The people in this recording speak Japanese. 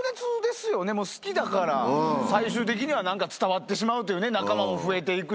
もう好きだから最終的には何か伝わってしまうというね仲間も増えて行くし。